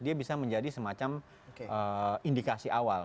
dia bisa menjadi semacam indikasi awal